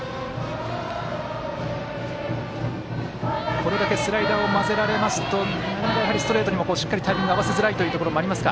これだけスライダーを交ぜられますとやはりストレートにもしっかりタイミングを合わせづらいというところもありますか。